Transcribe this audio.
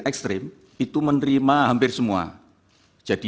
ekstrim itu menerima hampir semua jadi